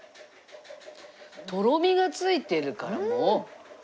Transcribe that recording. とろみがついてるからもう。